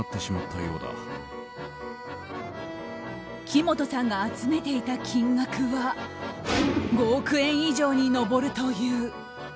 木本さんが集めていた金額は５億円以上に上るという。